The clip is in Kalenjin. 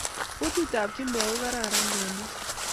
Kutit tab chumbek ko koron kenai---